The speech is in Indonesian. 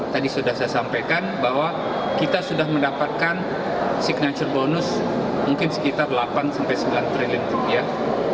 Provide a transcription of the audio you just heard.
tadi sudah saya sampaikan bahwa kita sudah mendapatkan signature bonus mungkin sekitar delapan sembilan triliun rupiah